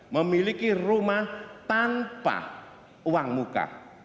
memiliki rumah tanpa uang muka